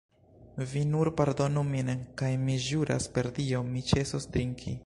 Vi nur pardonu min, kaj mi ĵuras per Dio, mi ĉesos drinki!